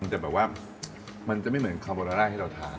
แต่แบบว่ามันจะไม่เหมือนคาโบราร่าที่เราทาน